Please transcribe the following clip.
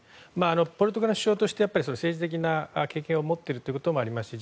ポルトガルの首相として政治的な経験を持っているということもありますし